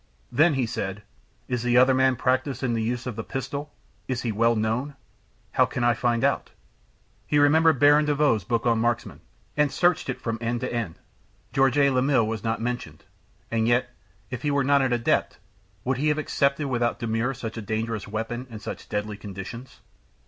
Then he said: "Is the other man practiced in the use of the pistol? Is he well known? How can I find out?" He remembered Baron de Vaux's book on marksmen, and searched it from end to end. Georges Lamil was not mentioned. And yet, if he were not an adept, would he have accepted without demur such a dangerous weapon and such deadly conditions?